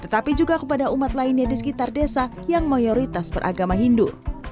tetapi juga kepada umat lainnya di sekitar desa yang mayoritas beragama hindu